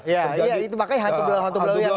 ya ya itu makanya hantu blow hantu blow